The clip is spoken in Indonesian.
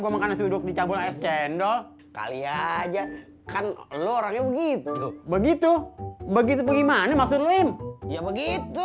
maksud duk dicampur channel kali aja kan lu orang yang gini begitu begitu begitupun gimana maksud foam